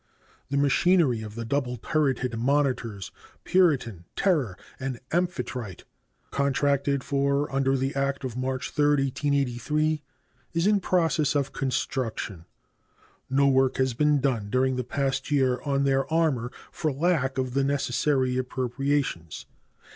The machinery of the double turreted monitors Puritan, Terror, and Amphitrite, contracted for under the act of March 3, 1883, is in process of construction. No work has been done during the past year on their armor for lack of the necessary appropriations.